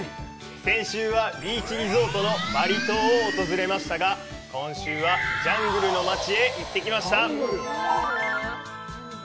先週はビーチリゾートのバリ島を訪れましたが、今週は、ジャングルの街へ行ってきました！